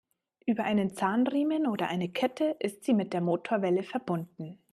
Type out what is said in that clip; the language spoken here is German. Über einen Zahnriemen oder eine Kette ist sie mit der Motorwelle verbunden.